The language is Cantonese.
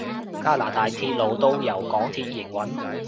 加拿大鐵路都由港鐵營運？